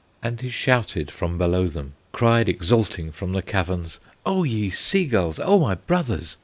And he shouted from below them, Cried exulting from the caverns: "O ye sea gulls! O my brothers!